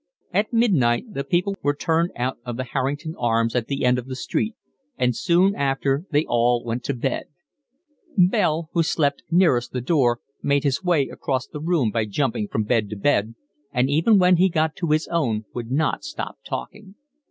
At midnight the people were turned out of the Harrington Arms at the end of the street, and soon after they all went to bed: Bell, who slept nearest the door, made his way across the room by jumping from bed to bed, and even when he got to his own would not stop talking.